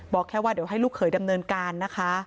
บอกแค่ว่าเดี๋ยวให้ลูกเขยดำเนินการนะคะ